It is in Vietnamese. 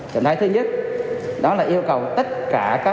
động thái thứ nhất đó là yêu cầu tất cả các cơ sở